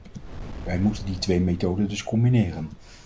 Wij moeten die twee methoden dus combineren.